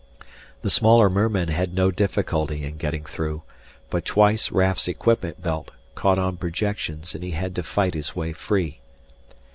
The smaller mermen had no difficulty in getting through, but twice Raf's equipment belt caught on projections and he had to fight his way free.